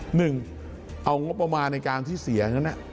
หนึ่งเอางบประมาณในการที่เสียนั้น